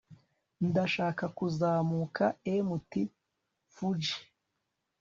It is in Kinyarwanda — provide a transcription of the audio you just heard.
ndashaka kuzamuka mt. fuji